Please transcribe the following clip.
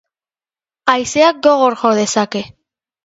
Haizeak gogor jo dezake.